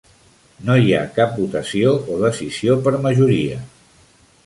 No hi ha cap votació o decisió per majoria.